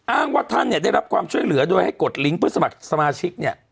อ้างว่าท่านเนี่ยได้รับความช่วยเหลือโดยให้กดลิงก์เพื่อสมัครสมาชิกเนี่ย